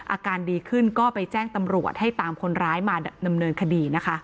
อาการดีขึ้นก็ไปแจ้งตำรวจให้ตามคนร้ายมาดำเนินคดีนะคะ